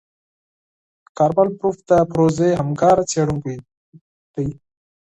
کارمل بروف د پروژې همکاره څېړونکې ده.